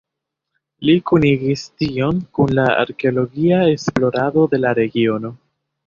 Li kunigis tion kun la arkeologia esplorado de la regiono.